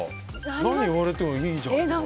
何言われてもいいじゃん。